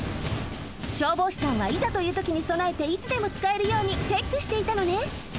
消防士さんはいざというときにそなえていつでもつかえるようにチェックしていたのね。